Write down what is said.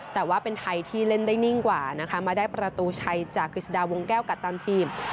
แต่ว่าเป็นไทยที่เล่นได้นิ่งกว่านะคะมาได้ประตูชัยจากกฤษฎาวงแก้วกัปตันทีม